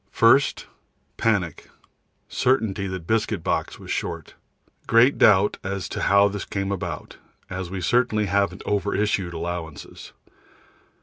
First panic, certainty that biscuit box was short. Great doubt as to how this has come about, as we certainly haven't over issued allowances.